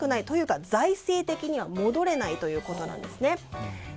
というか財政的には戻れないということなんですね。